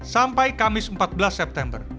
sampai kamis empat belas september